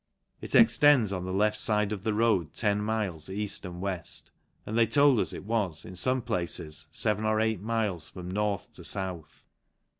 It extends on the left fide of the road ten miles eaft and weft, and they told us it was, in fome places, feven or eight miles from north to fouth.